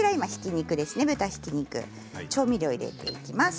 豚ひき肉調味料を入れていきます。